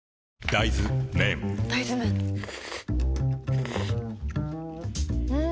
大豆麺ん？